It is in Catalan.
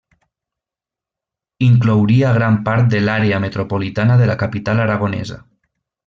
Inclouria gran part de l'àrea metropolitana de la capital aragonesa.